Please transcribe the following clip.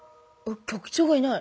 局長がいない。